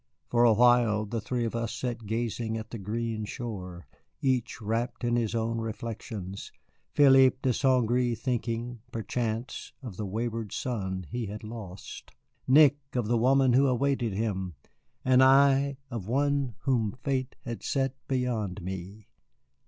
For a while the three of us sat gazing at the green shore, each wrapped in his own reflections, Philippe de St. Gré thinking, perchance, of the wayward son he had lost; Nick of the woman who awaited him; and I of one whom fate had set beyond me.